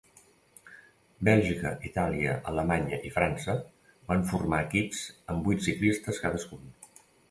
Bèlgica, Itàlia, Alemanya i França van formar equips amb vuit ciclistes cadascun.